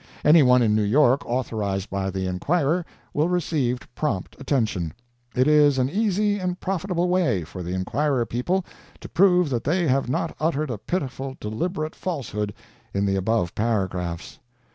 Any one in New York, authorized by the Enquirer, will receive prompt attention. It is an easy and profitable way for the _Enquirer _people to prove that they have not uttered a pitiful, deliberate falsehood in the above paragraphs.